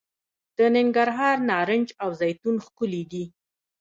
د ننګرهار نارنج او زیتون ښکلي دي.